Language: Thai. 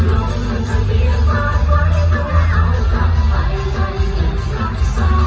โลกมันจะเบียบร้อยไว้เพื่อเอากลับไปได้อย่างรักษา